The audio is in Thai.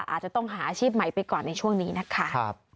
อาจจะต้องหาอาชีพใหม่ไปก่อนในช่วงนี้นะคะ